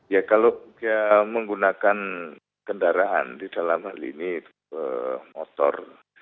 ya kalau dia menggunakan kendaraan di dalam hal ini motor